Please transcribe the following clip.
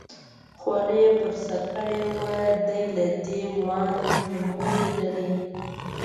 خولۍ یې پر سر کړې وه، دی له دې وړاندې مې نه و لیدلی.